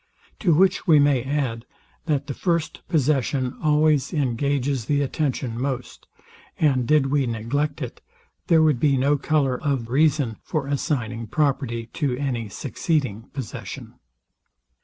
To which we may add, that the first possession always engages the attention most; and did we neglect it, there would be no colour of reason for assigning property to any succeeding possession.